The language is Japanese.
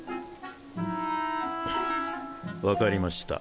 分かりました。